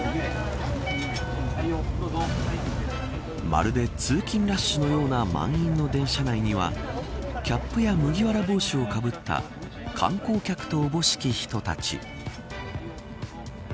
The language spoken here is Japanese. まるで通勤ラッシュのような満員の電車内にはキャップや麦わら帽子をかぶった観光客とおぼしき人たち。